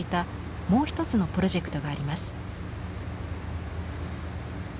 もう一つのプロジェクトがあります。